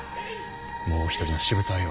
もう一人の渋沢よ。